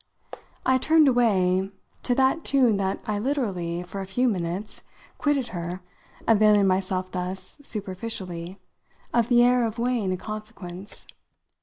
I turned away to that tune that I literally, for a few minutes, quitted her, availing myself thus, superficially, of the air of weighing a consequence.